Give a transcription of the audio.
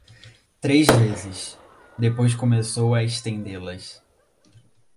Três vezes; depois começou a estendê-las.